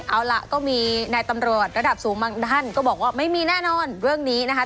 เอาล่ะก็มีนายตำรวจระดับสูงบางท่านก็บอกว่าไม่มีแน่นอนเรื่องนี้นะคะ